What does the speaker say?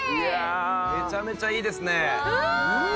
めちゃめちゃいいですね。